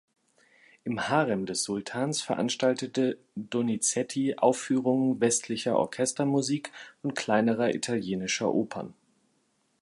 Im Harem des Sultans veranstaltete Donizetti Aufführungen westlicher Orchestermusik und kleinerer italienischer Opern.